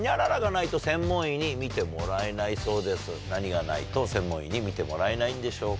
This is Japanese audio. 何がないと専門医に診てもらえないんでしょうか？